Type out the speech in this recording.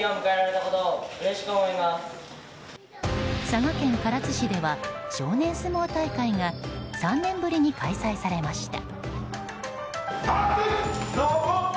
佐賀県唐津市では少年相撲大会が３年ぶりに開催されました。